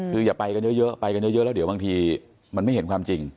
คืออย่าไปกันเยอะไปกันเยอะแล้วเดี๋ยวบางทีมันไม่เห็นความจริง